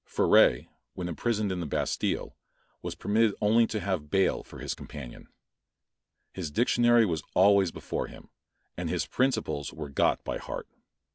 Freret, when imprisoned in the Bastile, was permitted only to have Bayle for his companion. His dictionary was always before him, and his principles were got by heart.